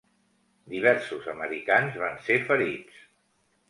Diversos americans van ser ferits.